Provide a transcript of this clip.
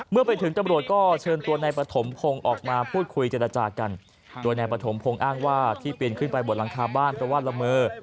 เมื่อไปถึงตำรวจก็เชิญตัวนายปฐมพงศ์ออกมาพูดคุยเจรจากันโดยนายปฐมพงศ์อ้างว่าที่ปีนขึ้นไปบนหลังคาบ้านเพราะว่าละเมอ